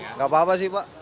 nggak apa apa sih pak